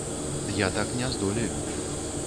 Я так не здолею.